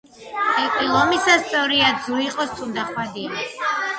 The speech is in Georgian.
ლეკვი ლომისა სწორია, ძუ იყოს თუნდაც ხვადია.